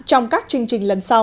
trong các chương trình lần sau